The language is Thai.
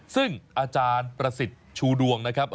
ซึ่งอาจารย์ประสิทธิ์ชูดวงนะครับ